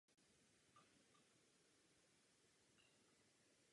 Opera trvá zhruba dvě hodiny.